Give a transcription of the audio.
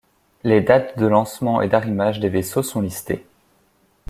Les dates de lancement et d'arrimage des vaisseaux sont listées.